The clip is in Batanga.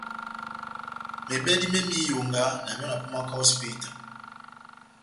Mebɛdi me mɛdɛndi iyonga na miɔ na pumaka o hosipita.